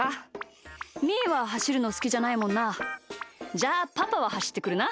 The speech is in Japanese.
じゃあパパははしってくるな。